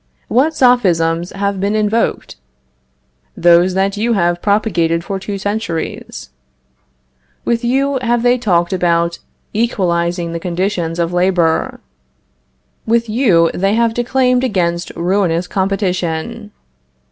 What sophisms have been invoked? Those that you have propagated for two centuries. With you they have talked about equalizing the conditions of labor. With you they have declaimed against ruinous competition.